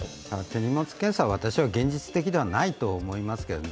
手荷物検査、私は現実的ではないと思いますけどね。